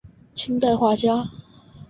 清代画家。